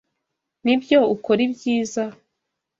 Nibyo ukora ibyiza, ?